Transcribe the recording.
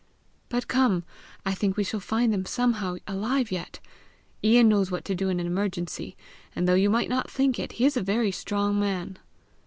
But come; I think we shall find them somehow alive yet! Ian knows what to do in an emergency; and though you might not think it, he is a very strong man."